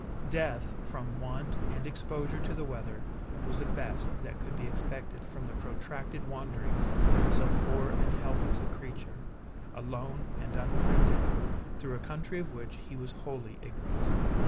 Death, from want and exposure to the weather, was the best that could be expected from the protracted wanderings of so poor and helpless a creature, alone and unfriended, through a country of which he was wholly ignorant.